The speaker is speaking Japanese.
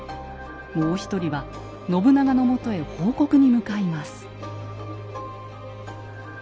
もう一人は信長のもとへ報告に向かいます。